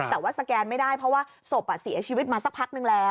แต่ว่าสแกนไม่ได้เพราะว่าศพเสียชีวิตมาสักพักนึงแล้ว